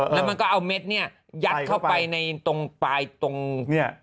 แล้วมันก็เอาเม็ดเนี่ยยัดเข้าไปในตรงปลายตรงเนี่ย